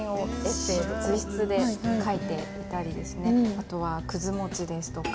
あとはくず餅ですとか